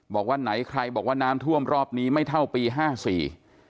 บอกว่าไหนใครบอกว่าน้ำท่วมรอบนี้ไม่เท่าปีห้าสี่